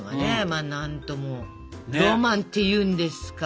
まあ何ともロマンっていうんですか。